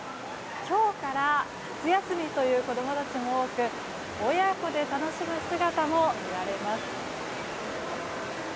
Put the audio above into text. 今日から夏休みという子供たちも多く親子で楽しむ姿も見られます。